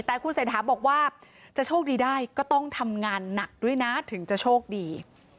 แต่คุณเศรษฐาบอกว่าจะโชคดีได้ก็ต้องทำงานหนักด้วยนะถึงจะโชคดี